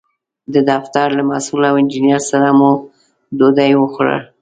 د دفتر له مسوول او انجینر سره مو ډوډۍ وخوړه.